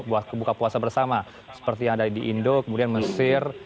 buka puasa bersama seperti yang ada di indo kemudian mesir